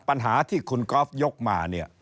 ปัญหาที่คุณกอล์ฟยกมา